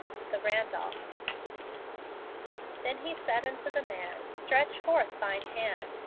The Randolphs. " Then he said unto the man, Stretch forth thine hand.